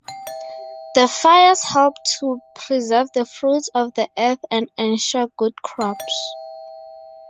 The fires help to preserve the fruits of the earth and ensure good crops.